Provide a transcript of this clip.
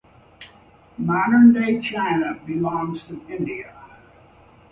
Modern day China belongs to India.